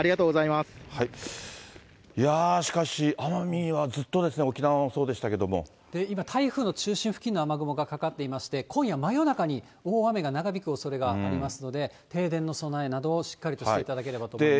しかし、奄美はずっとですね、今、台風の中心付近の雨雲がかかっていまして、今夜真夜中に大雨が長引くおそれがありますので、停電の備えなどをしっかりとしていただければと思います。